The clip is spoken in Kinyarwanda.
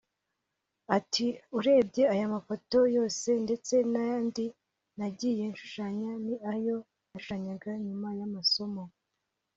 Ati “ Urebye aya mafoto yose ndetse n’andi nagiye nshushanya ni ayo nashushanyaga nyuma y’amasomo